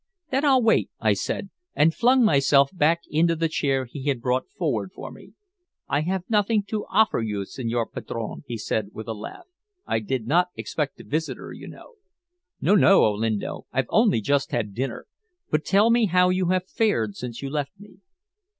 "Then I'll wait," I said, and flung myself back into the chair he had brought forward for me. "I have nothing to offer you, signer padrone," he said, with a laugh. "I did not expect a visitor, you know." "No, no, Olinto. I've only just had dinner. But tell me how you have fared since you left me."